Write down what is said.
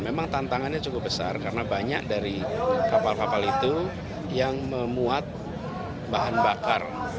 memang tantangannya cukup besar karena banyak dari kapal kapal itu yang memuat bahan bakar